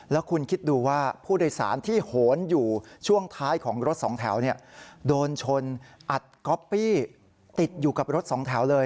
แล้วคุณคิดดูว่าผู้โดยสารที่โหนอยู่ช่วงท้ายของรถสองแถวโดนชนอัดก๊อปปี้ติดอยู่กับรถสองแถวเลย